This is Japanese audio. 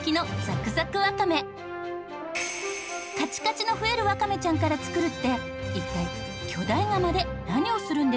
カチカチのふえるわかめちゃんから作るって一体巨大釜で何をするんですかね？